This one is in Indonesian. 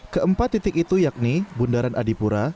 ke empat titik itu yakni bundaran adipura